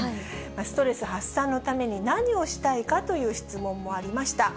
ストレス発散のために何をしたいかという質問もありました。